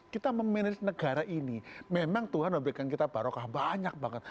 kita memanage negara ini memang tuhan memberikan kita barokah banyak banget